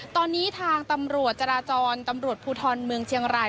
ตอนนี้ทางตำรวจจราจรตำรวจภูทรเมืองเชียงราย